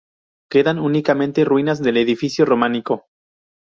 Quedan únicamente ruinas del edificio románico.